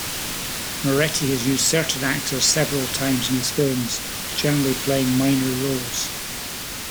Moretti has used certain actors several times in his films, generally playing minor roles.